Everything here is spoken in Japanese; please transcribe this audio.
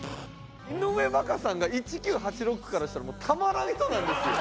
井上和香さんが１９８６からしたらもうたまらん人なんですよ！